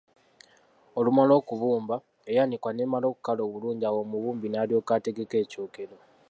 Olumala okubumba eyanikwa neemala okukala bulungi awo omubumbi n’alyoka ategeka ekyokero.